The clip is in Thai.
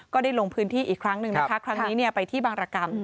ได้ลงพื้นที่อีกครั้งหนึ่งนะคะครั้งนี้ไปที่บางรกรรม